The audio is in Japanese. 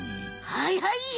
はいはい！